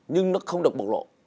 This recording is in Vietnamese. nhưng nó không được bộc lộ